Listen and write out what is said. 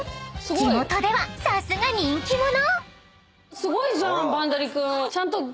［地元ではさすが人気者］